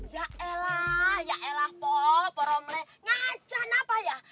ya elah ya elah po ngancan apa ya